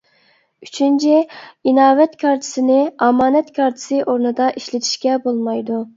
ئۈچىنچى، ئىناۋەت كارتىسىنى ئامانەت كارتىسى ئورنىدا ئىشلىتىشكە بولمايدۇ.